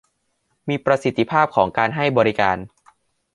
มีประสิทธิภาพของการให้บริการ